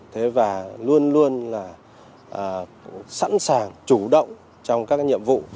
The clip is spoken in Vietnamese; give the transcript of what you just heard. thế và luôn luôn là sẵn sàng chủ động trong các nhiệm vụ